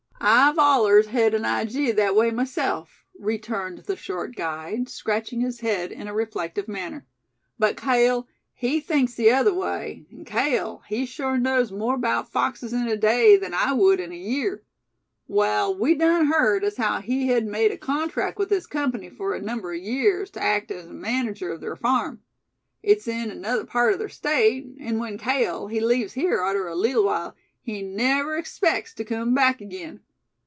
"I've allers hed an ijee thet way myself," returned the short guide, scratching his head in a reflective manner; "but Cale, he thinks the other way; an' Cale, he sure knows more about foxes in a day than I wud in a year. Wall, we done heard as haow he hed made a contrack with this company fur a number o' years, tew act as manager o' ther farm. It's in another part o' ther State; an' when Cale, he leaves here arter a leetle while, he never 'spects tew come back again.